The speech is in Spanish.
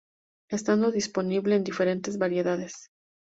Estando disponible en diferentes variedades.